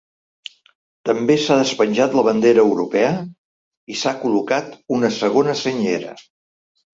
També s’ha despenjat la bandera europea i s’ha col·locat una segona senyera.